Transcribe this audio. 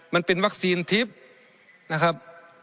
มันเป็นวัคซีนทิพย์นะครับ